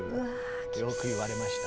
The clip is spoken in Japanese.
よく言われました。